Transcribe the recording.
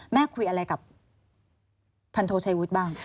แม่คุยอะไรกับพันโทชัยวุฒิบ้าง